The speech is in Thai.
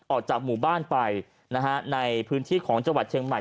ออกจากหมู่บ้านไปนะฮะในพื้นที่ของจังหวัดเชียงใหม่